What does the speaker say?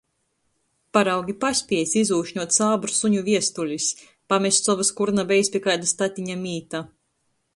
Paraugi paspiejs izūšņuot sābru suņu viestulis, pamest sovys kur nabejs pi kaida statiņa mīta.